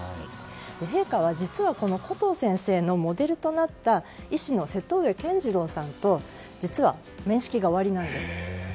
陛下はコトー先生のモデルとなった医師の瀬戸上健二郎さんと実は面識がおありなんです。